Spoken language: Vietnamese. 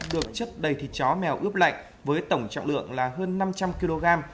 được chất đầy thịt chó mèo ướp lạnh với tổng trọng lượng là hơn năm trăm linh kg